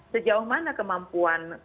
sejauh mana kemampuan